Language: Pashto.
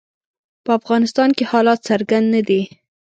په افغانستان کې حالات څرګند نه دي.